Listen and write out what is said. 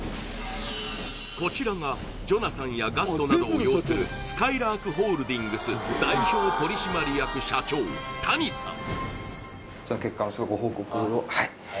こちらがジョナサンやガストなどを擁するすかいらーくホールディングス代表取締役社長谷さん